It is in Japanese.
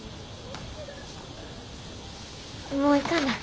もう行かな。